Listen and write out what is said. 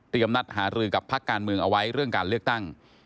นัดหารือกับพักการเมืองเอาไว้เรื่องการเลือกตั้ง